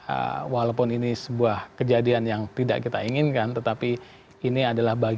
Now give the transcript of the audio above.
dan ya walaupun ini sebuah kejadian yang tidak kita inginkan tetapi ini adalah berhasil